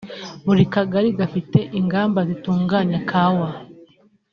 buri kagari gafite inganda zitunganya kawa